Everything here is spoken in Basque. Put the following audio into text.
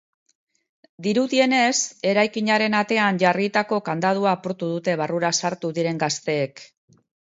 Dirudienez, eraikinaren atean jarritako kandadua apurtu dute barrura sartu diren gazteek.